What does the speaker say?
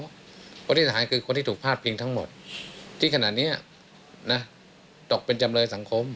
เพราะที่ทหารคือคนที่ถูกพลาดพิงทั้งหมดที่ขณะนี้ตกเป็นจำเลยสังคม